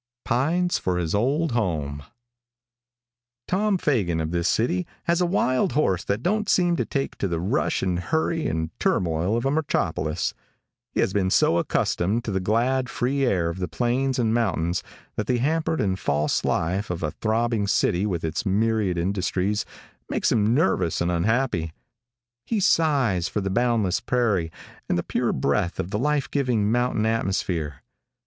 PINES FOE HIS OLD HOME |TOM FAGAN, of this city, has a wild horse that don't seem to take to the rush and hurry and turmoil of a metropolis. He has been so accustomed to the glad, free air of the plains and mountains that the hampered and false life of a throbbing city, with its myriad industries, makes him nervous and unhappy. He sighs for the boundless prairie and the pure breath of the lifegiving mountain atmosphere.